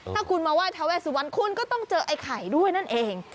ถ้าคุณมาไหว้ทาเวสุวรรณคุณก็ต้องเจอไอ้ไข่ด้วยนั่นเอง